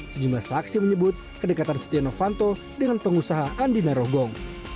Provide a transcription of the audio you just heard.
sejumlah saksi menyebut kedekatan setia novanto dengan pengusaha andi narogong